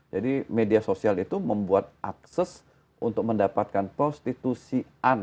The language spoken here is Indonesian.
jadi media sosial itu membuat akses untuk mendapatkan prostitusi anak atau anak anak yang